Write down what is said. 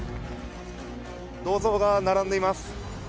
銅像が並んでいます。